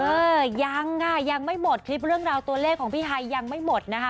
เออยังค่ะยังไม่หมดคลิปเรื่องราวตัวเลขของพี่ไฮยังไม่หมดนะคะ